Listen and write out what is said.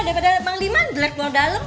daripada panglima jelek mau dalem